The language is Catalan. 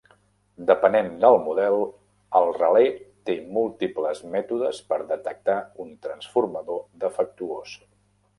Depenent del model, el relé té múltiples mètodes per detectar un transformador defectuós.